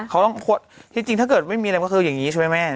เขาต้องที่จริงถ้าเกิดไม่มีอะไรก็คืออย่างนี้ใช่ไหมแม่